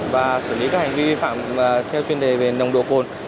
và xử lý các hành vi vi phạm theo chuyên đề về nồng độ cồn